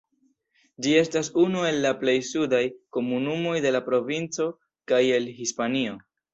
Ĝi estas unu el la plej sudaj komunumoj de la provinco kaj el Hispanio.